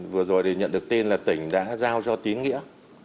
vừa rồi thì nhận được tin là tỉnh đã giao cho tín nghĩa